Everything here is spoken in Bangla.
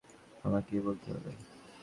আমাকেই বলতে হবে।